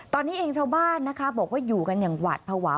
ตอนนี้เองชาวบ้านนะคะบอกว่าอยู่กันอย่างหวาดภาวะ